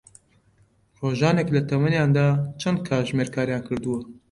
ڕۆژانێک لە تەمەنیاندا چەند کاتژمێر کاریان کردووە